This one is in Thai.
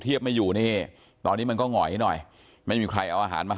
ไม่อยู่นี่ตอนนี้มันก็หงอยหน่อยไม่มีใครเอาอาหารมา